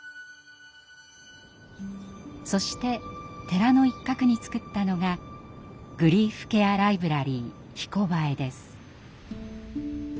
そして寺の一角に作ったのがグリーフケアライブラリー「ひこばえ」です。